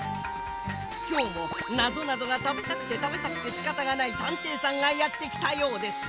きょうもなぞなぞがたべたくてたべたくてしかたがないたんていさんがやってきたようです。